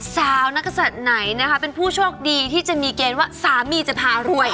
สาวนักศัตริย์ไหนนะคะเป็นผู้โชคดีที่จะมีเกณฑ์ว่าสามีจะพารวย